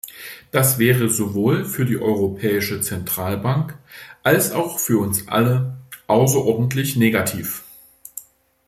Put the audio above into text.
Das wäre sowohl für die Europäische Zentralbank als auch für uns alle außerordentlich negativ.